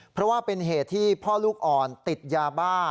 เพราะว่าเป็นเหตุที่พ่อลูกอ่อนติดยาบ้า